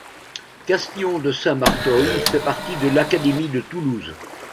Castillon-de-Saint-Martory fait partie de l'académie de Toulouse.